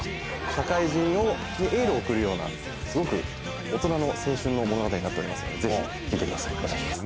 社会人にエールを送るようなすごく大人の青春の物語になっておりますのでぜひ見てくださいお願いします。